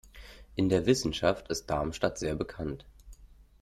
In der Wissenschaft ist Darmstadt sehr bekannt.